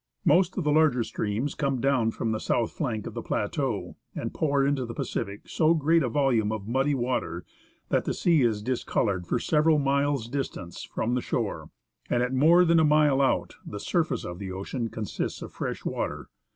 Most of the larger streams come down from the south flank of the plateau, and pour into the Pacific so great a volume of muddy water that the sea is discoloured for several miles' distance from the shore, 71 THE OSAR STREAM. THE ASCENT OF MOUNT ST. ELIAS and at more than a mile out the surface of the ocean consists of fresh water.